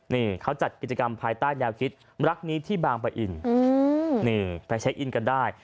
นี่เขาจัดกิจกรรมภายใต้แนวคิดรักนี้ที่บางปะอินนี่ไปเช็คอินกันได้